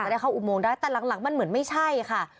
ได้เข้าอุโมงได้แต่หลังมันเหมือนไม่ใช่ค่ะ